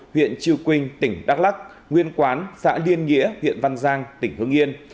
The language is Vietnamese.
huyện triều quynh tỉnh đắk lắk nguyên quán xã liên nghĩa huyện văn giang tỉnh hương yên